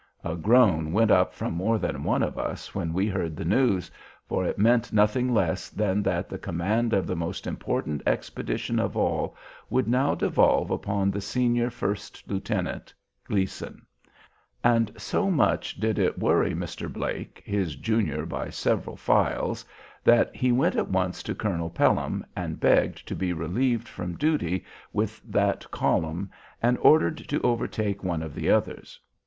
A groan went up from more than one of us when we heard the news, for it meant nothing less than that the command of the most important expedition of all would now devolve upon the senior first lieutenant, Gleason; and so much did it worry Mr. Blake, his junior by several files, that he went at once to Colonel Pelham, and begged to be relieved from duty with that column and ordered to overtake one of the others.